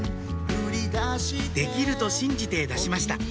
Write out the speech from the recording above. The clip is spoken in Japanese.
「できる」と信じて出しました